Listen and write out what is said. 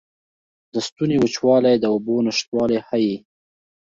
د ستوني وچوالی د اوبو نشتوالی ښيي.